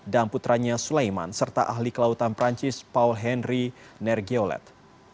dan putranya sulaiman serta ahli kelautan perancis paul henry nergiolet